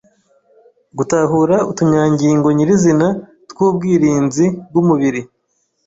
Gutahura utunyangingo nyirizina tw'ubwirinzi bw'umubiri